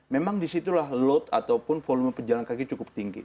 memang disitulah load ataupun volume pejalan kaki cukup tinggi